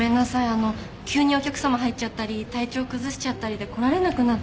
あの急にお客さま入っちゃったり体調崩しちゃったりで来られなくなって。